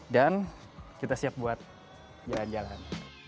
dan kita siap buat jalan jalan